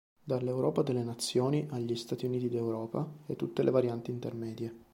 Dall'"Europa delle nazioni" agli "Stati Uniti d'Europa" e tutte le varianti intermedie.